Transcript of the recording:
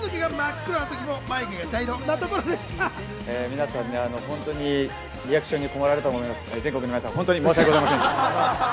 皆さん、本当にリアクションに困られたと思うので、誠に申し訳ございません。